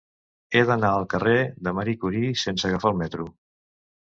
He d'anar al carrer de Marie Curie sense agafar el metro.